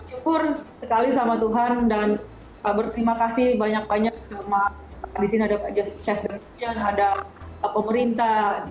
syukur sekali sama tuhan dan berterima kasih banyak banyak sama disini ada pak chef dalian ada pemerintah